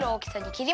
きり